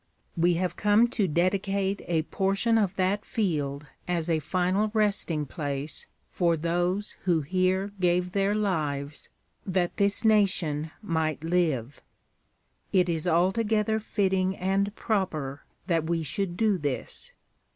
We have come to dedicate a portion of that field as a final resting place for those who here gave their lives that this nation might live. It is altogether fitting and proper that we should do this.